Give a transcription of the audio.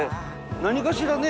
何かしらね。